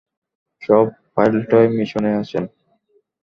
সব পাইলটই মিশনে আছেন।